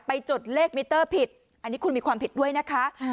จดเลขมิเตอร์ผิดอันนี้คุณมีความผิดด้วยนะคะ